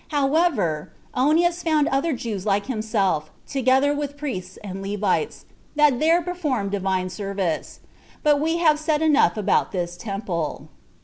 However, Onias found other Jews like to himself, together with priests and Levites, that there performed Divine service. But we have said enough about this temple.